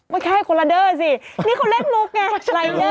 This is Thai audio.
ไม่ใช่คนละเดอสินี่เขาเล่นรูปไง